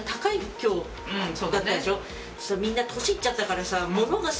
みんな年いっちゃったからさ。